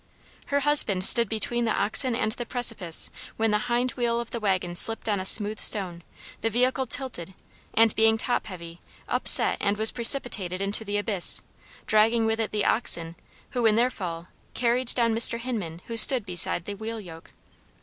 Her husband stood between the oxen and the precipice when the hind wheel of the wagon slipped on a smooth stone, the vehicle tilted and being top heavy upset and was precipitated into the abyss, dragging with it the oxen who, in their fall, carried down Mr. Hinman who stood beside the wheel yoke.